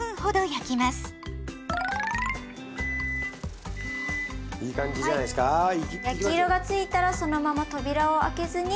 焼き色がついたらそのまま扉を開けずに。